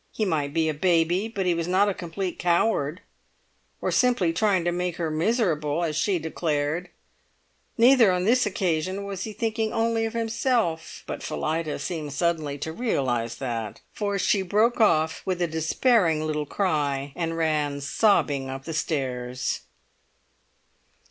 He might be a baby, but he was not a complete coward, or simply trying to make her miserable, as she declared; neither, on this occasion, was he thinking only of himself. But Phillida seemed suddenly to realise that, for she broke off with a despairing little cry, and ran sobbing up the stairs.